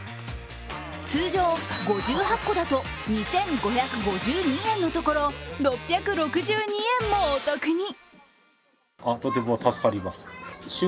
通常５８個だと２５５２円のところ６６２円もお得に。